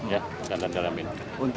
ya kita dalamin